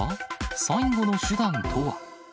最後の手段とは。